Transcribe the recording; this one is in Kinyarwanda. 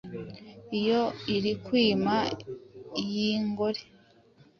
Iyo iri kwimya iy’ingore